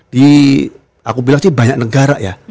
di aku bilang sih banyak negara ya